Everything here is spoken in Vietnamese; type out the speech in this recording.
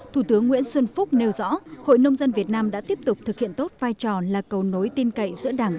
thủ tướng nguyễn xuân phúc nêu rõ hội nông dân việt nam đã tiếp tục thực hiện tốt vai trò là cầu nối tin cậy giữa đảng